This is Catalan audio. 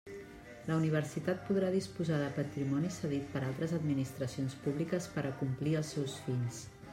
La Universitat podrà disposar de patrimoni cedit per altres administracions públiques per a complir els seus fins.